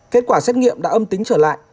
kết quả xét nghiệm đã âm tính trở lại